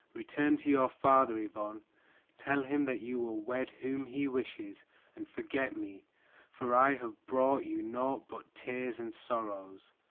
"Return to your father, Yvonne. Tell him that you will wed whom he wishes and forget me, for I have brought you naught but tears and sorrows."